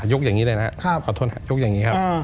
ยกอย่างนี้เลยนะครับ